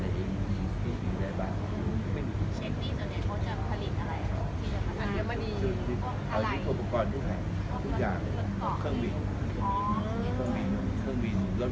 อ๋อเครื่องบินเครื่องบินรถปรุงเกาะแล้วก็ศูนย์ของเราก็มีตรงนี้ก็แรงเย็น